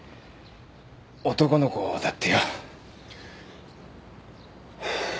男の子だってよ。